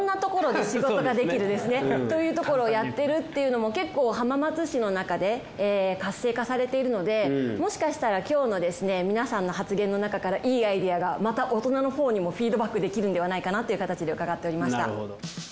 というところをやってるっていうのも結構浜松市のなかで活性化されているのでもしかしたら今日の皆さんの発言のなかからいいアイデアがまた大人のほうにもフィードバックできるんではないかなという形でうかがっておりました。